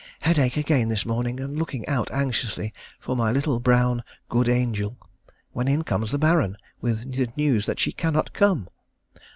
Headache again this morning, and looking out anxiously for my little brown "good angel," when in comes the Baron, with the news that she cannot come.